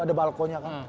ada balkonnya kan